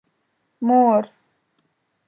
مور